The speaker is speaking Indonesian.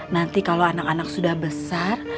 nanti kalau anak anak sudah besar